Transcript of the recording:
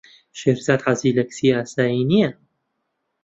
شێرزاد حەزی لە کچی ئاسایی نییە.